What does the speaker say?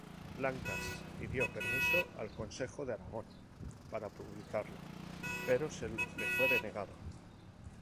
Blancas pidió permiso al Consejo de Aragón para publicarlo, pero se le fue denegado.